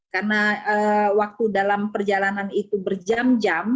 karena waktu dalam perjalanan itu berjam jam